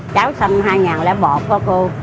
cháu sinh hai nghìn một của cô